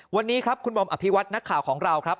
วันนี้ครับคุณบอมอภิวัตินักข่าวของเราครับ